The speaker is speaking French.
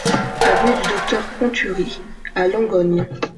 Avenue du Docteur Conturie à Langogne